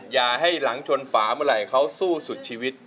อย่าให้หลังชนฝาเมื่อไหร่เขาสู้สุดชีวิต